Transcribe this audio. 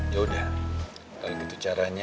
yaudah kalau gitu caranya